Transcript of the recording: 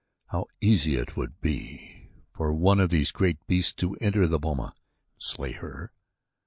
How easy it would be for one of those great beasts to enter the boma and slay her.